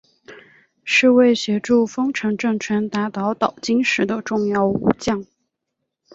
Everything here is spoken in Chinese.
是为协助丰臣政权打倒岛津氏的重要武将。